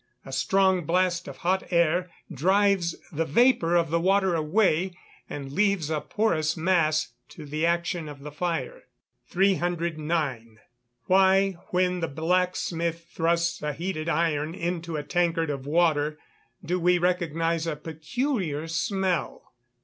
A strong blast of hot hair drives the vapour of the water away, and leaves a porous mass to the action of the fire. 309. _Why, when the blacksmith thrusts a heated iron into a tankard of water, do we recognise a peculiar smell?